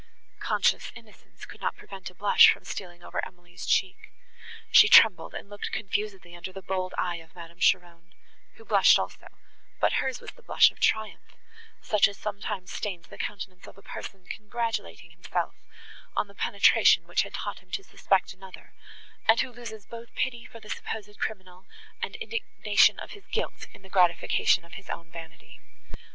Conscious innocence could not prevent a blush from stealing over Emily's cheek; she trembled, and looked confusedly under the bold eye of Madame Cheron, who blushed also; but hers was the blush of triumph, such as sometimes stains the countenance of a person, congratulating himself on the penetration which had taught him to suspect another, and who loses both pity for the supposed criminal, and indignation of his guilt, in the gratification of his own vanity.